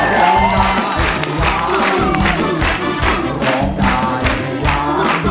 ร้องได้ให้ร้อง